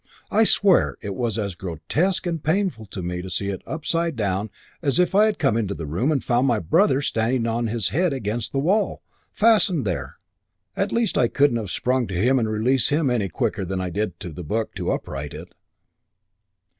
I swear it was as grotesque and painful to me to see it upside down as if I had come into the room and found my brother standing on his head against the wall, fastened there. At least I couldn't have sprung to him to release him quicker than I did to the book to upright it."